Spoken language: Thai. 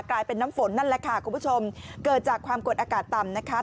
กลายเป็นน้ำฝนนั่นแหละค่ะคุณผู้ชมเกิดจากความกดอากาศต่ำนะคะ